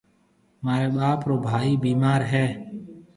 مهاريَ ٻاپ رو ڀائي بِيمار هيَ۔